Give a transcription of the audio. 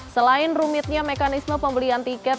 selain rumitnya mekanisme pembelian tiket